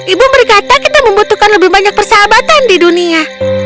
ibu berkata kita membutuhkan lebih banyak persahabatan di dunia